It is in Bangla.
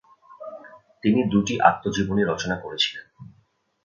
তিনি দুটি আত্মজীবনী রচনা করেছিলেন।